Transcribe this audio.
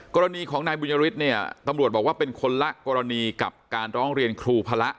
กรณีของนายบุญยฤทธิ์เนี่ยตำรวจบอกว่าเป็นคนละกรณีกับการร้องเรียนครูพระ